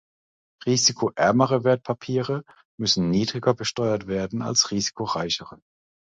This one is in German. Risikoärmere Wertpapiere müssen niedriger besteuert werden als risikoreichere.